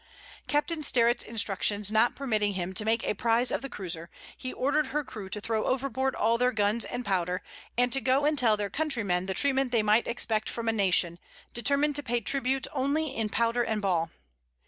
Captain Sterrett's instructions not permitting him to make a prize of the cruiser, he ordered her crew to throw overboard all their guns and powder, and to go and tell their countrymen the treatment they might expect from a nation, determined to pay tribute only in powder and ball.